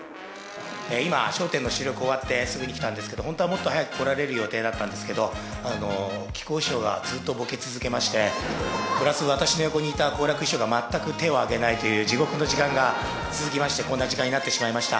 今、笑点の収録終わってすぐに来たんですけど、本当はもっと早く来られる予定だったんですけど、木久扇師匠がずっとぼけ続けまして、プラス私の横にいた好楽師匠が全く手を挙げないという地獄の時間が続きまして、こんな時間になってしまいました。